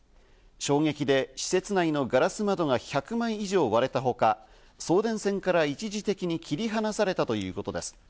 衝撃で施設内のガラス窓が１００枚以上割れたほか、送電線から一時的に切り離されたということです。